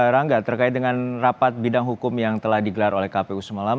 rangga terkait dengan rapat bidang hukum yang telah digelar oleh kpu semalam